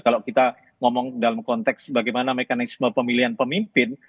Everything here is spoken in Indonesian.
kalau kita ngomong dalam konteks bagaimana mekanisme pemilihan pemimpin